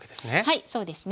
はいそうですね。